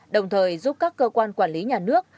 đồng thời giúp các cơ quan quản lý nhà nước